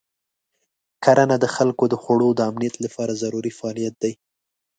کرنه د خلکو د خوړو د امنیت لپاره ضروري فعالیت دی.